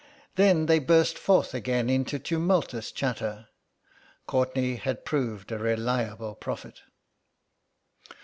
Then they burst forth again into tumultuous chatter. Courtenay had proved a reliable prophet.